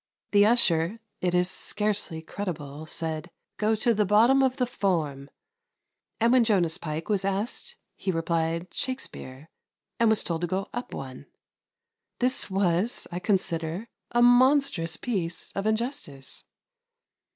The usher, it is scarcely credible, said, "Go to the bottom of the form," and when Jonas Pike was asked he replied, "Shakespeare," and was told to go up one. This was, I consider, a monstrous piece of injustice.